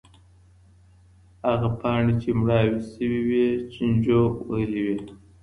هغه پاڼې چي مړاوې سوي وې چینجیو وهلې وې.